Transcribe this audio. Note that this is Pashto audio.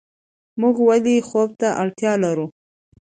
موږ ولې خوب ته اړتیا لرو